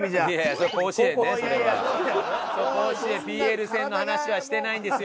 それ甲子園ＰＬ戦の話はしてないんですよ